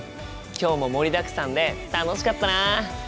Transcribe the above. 今日も盛りだくさんで楽しかったな！